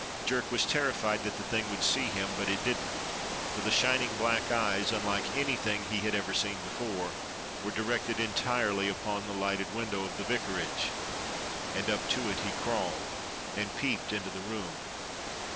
Jerk was terrified that the thing would see him, but it didn't, for the shining black eyes, unlike anything he had ever seen before, were directed entirely upon the lighted window of the vicarage, and up to it he crawled, and peeped into the room.